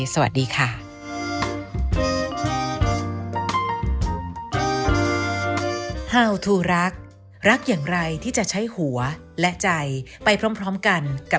สวัสดีค่ะ